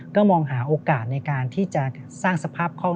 ก็มองหาโอกาสในการที่จะสร้างสภาพเข้า